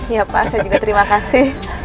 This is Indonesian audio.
iya pak saya juga terima kasih